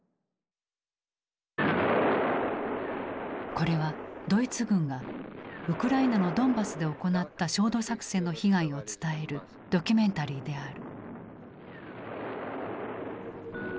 これはドイツ軍がウクライナのドンバスで行った焦土作戦の被害を伝えるドキュメンタリーである。